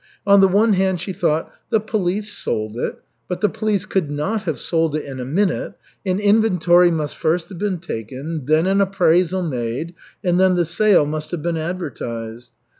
On the one hand she thought: "The police sold it. But the police could not have sold it in a minute. An inventory must first have been taken, then an appraisal made, and then the sale must have been advertised.